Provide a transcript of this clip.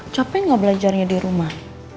capek nggak belajarnya di rumah